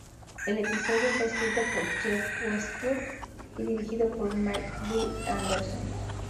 El episodio fue escrito por Jeff Westbrook y dirigido por Mike B. Anderson.